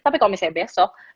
tapi kalau misalnya besok